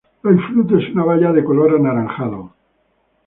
El fruto es una baya de color anaranjado.